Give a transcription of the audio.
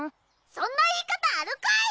そんな言い方あるかい！